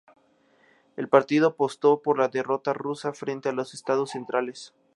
El partido apostó por la derrota rusa frente a los estados centrales.